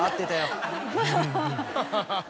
アハハハハ。